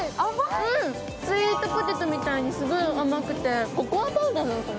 うんスイートポテトみたいにすごい甘くてココアパウダーなのかな？